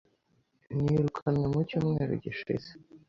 Nirukanwe mu cyumweru gishize.